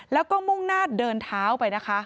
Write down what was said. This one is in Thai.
แล้วก็มุ่งนาดเดินเท้าไป